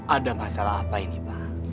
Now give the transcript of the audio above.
ada masalah apa ini pak